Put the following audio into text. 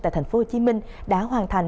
tại thành phố hồ chí minh đã hoàn thành